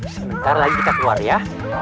sebentar lagi kita keluar ya